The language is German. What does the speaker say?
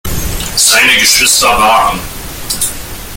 Seine Geschwister waren